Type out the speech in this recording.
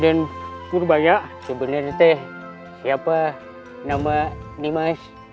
aden purbaya sebenarnya teh siapa nama ini mas